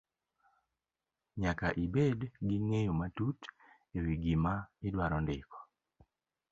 nyaka ibed gi ng'eyo matut e wi gima idwaro ndiko.